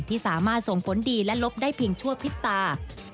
ที่สามารถส่งผลดีและลบได้เพียงชั่วพริบตา